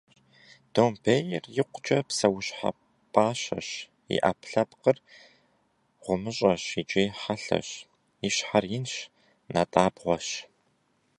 Домбейр икъукӏэ псэущхьэ пӏащэщ, и ӏэпкълъэпкъыр гъумыщӏэщ икӏи хьэлъэщ, и щхьэр инщ, натӏабгъуэщ.